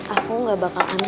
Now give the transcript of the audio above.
aku gak bakal ambil ini